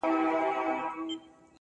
په نوراني غېږ کي دي مه لویوه!!